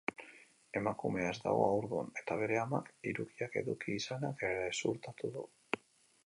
Emakumea ez dago haurdun, eta bere amak hirukiak eduki izana gezurtatu du.